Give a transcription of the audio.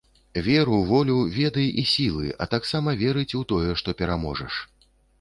Веру, волю, веды і сілы, а таксама верыць у тое, што пераможаш.